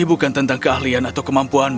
ini bukan tentang keahlian atau kemampuanmu kaniska